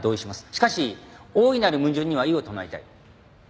しかし大いなる矛盾には異を唱えたい。